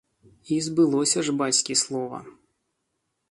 І збылося ж бацькі слова!